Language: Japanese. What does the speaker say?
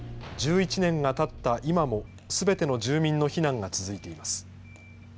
１１年がたった今も、すべての住民の避難が続いています。